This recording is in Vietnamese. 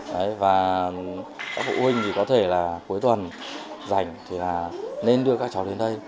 đấy và các phụ huynh thì có thể là cuối tuần rảnh thì là nên đưa các cháu đến đây